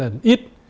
để cũng là ít